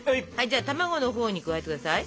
じゃあ卵のほうに加えて下さい。